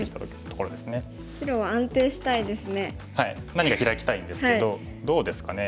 何かヒラきたいんですけどどうですかね。